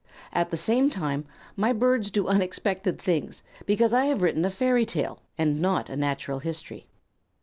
At the same time my birds do unexpected things, because I have written a fairy tale and not a natural history.